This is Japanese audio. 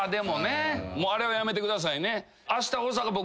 あれはやめてくださいね。